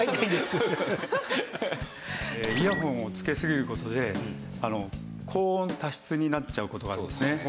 イヤホンをつけすぎる事で高温多湿になっちゃう事があるんですね。